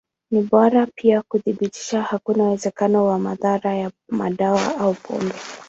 Ni bora pia kuthibitisha hakuna uwezekano wa madhara ya madawa au pombe.